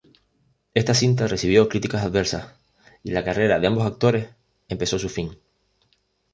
Esta cinta recibió críticas adversas, y la carrera de ambos actores empezó su fin.